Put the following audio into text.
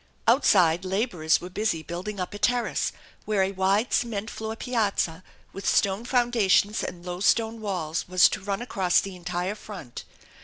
Outside laborers were busy building up a terrace, where a wide cement floor piazza with stone foundations and low stone walls was to run across the entire front.